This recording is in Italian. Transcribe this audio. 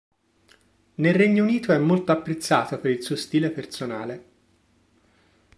Nel Regno Unito, è molto apprezzato per il suo stile personale.